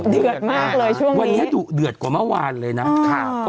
เดือดมากเลยช่วงนี้วันนี้ดุเดือดกว่าเมื่อวานเลยนะครับ